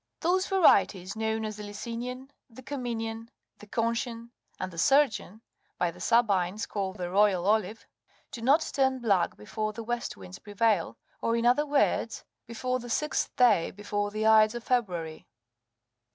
Those varieties known as the Licinian, the Cominian, the Contian, and the Sergian, by the Sabines called the " royal"31 olive, do not turn black before the west winds prevail, or, in other words, before the sixth day before32 the ides of February.